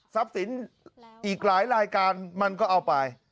สินอีกหลายรายการมันก็เอาไป